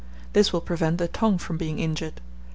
This will prevent the tongue from being injured.